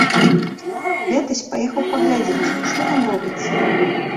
Летась паехаў паглядзець, што там робіцца.